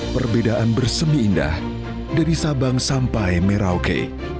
perbedaan bersemi indah dari sabang sampai merauke